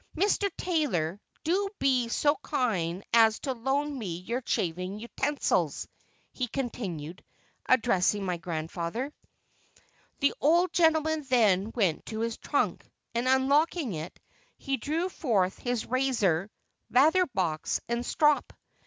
"Mr. Taylor, do be so kind as to loan me your shaving utensils," he continued, addressing my grandfather. The old gentleman then went to his trunk, and unlocking it, he drew forth his razor, lather box and strop.